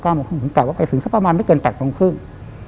ผมกลับว่าไปถึงสักประมาณไม่เกิน๘โมงครึ่ง